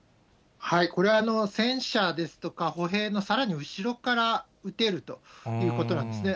これは戦車ですとか、歩兵のさらに後ろから撃てるということなんですね。